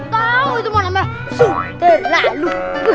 tau itu mau namanya suktelalu